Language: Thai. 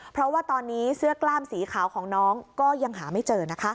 เพราะว่าตอนนี้เสื้อกล้ามสีขาวของน้องก็ยังหาไม่เจอนะคะ